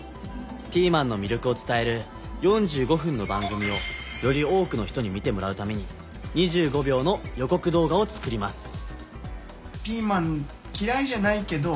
ピーマンの魅力を伝える４５分の番組をより多くの人に見てもらうために２５秒の予告動画を作ります。